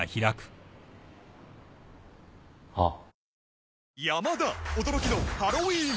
あっ。